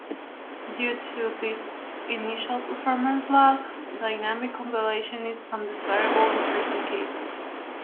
Due to this initial performance lag, dynamic compilation is undesirable in certain cases.